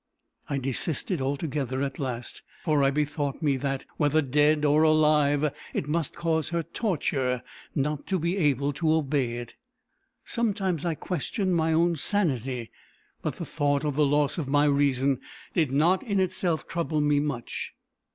I desisted altogether at last, for I bethought me that, whether dead or alive, it must cause her torture not to be able to obey it. Sometimes I questioned my own sanity. But the thought of the loss of my reason did not in itself trouble me much.